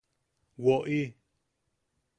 ¡Woʼi!